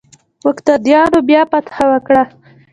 مقتديانو بيا فتحه ورکړه.